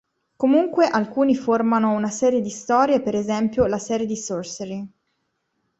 Comunque alcuni formano una serie di storie per esempio la serie di "Sorcery!